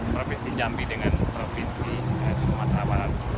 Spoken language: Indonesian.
provinsi jambi dengan provinsi sumatera barat